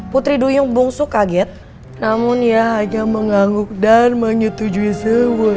putri duyung bungsu kaget namun ia hanya mengangguk dan menyetujui sewu